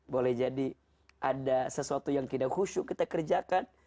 boleh jadi ada sesuatu yang tidak khusyuk kita kerjakan